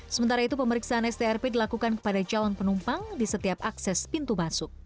sementara itu pemeriksaan strp dilakukan kepada calon penumpang di setiap akses pintu masuk